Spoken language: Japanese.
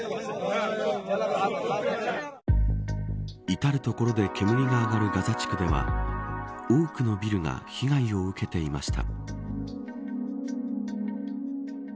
至る所で煙が上がるガザ地区では多くのビルが被害を受けていました。